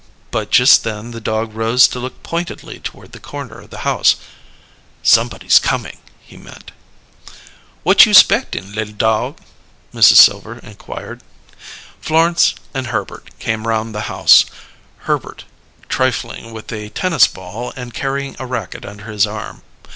But just then the dog rose to look pointedly toward the corner of the house. "Somebody's coming," he meant. "Who you spectin', li'l dog?" Mrs. Silver inquired. Florence and Herbert came round the house, Herbert trifling with a tennis ball and carrying a racket under his arm.